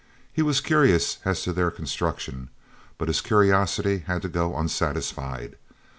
He was curious as to their construction, but his curiosity had to go unsatisfied.